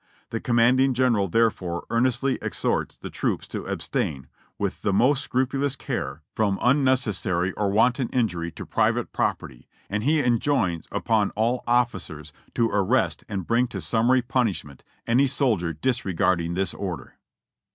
The Commanding General, therefore, earnestly exhorts the 'troops to abstain, with the most scrupulous care, from un GETTYSBURG 41/ necessary or wanton injury to private property, and he enjoins upon all officers to arrest and bring to summary punishment any soldier disregarding this order."